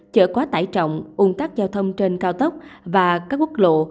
chở quá tải trọng ung tắc giao thông trên cao tốc và các quốc lộ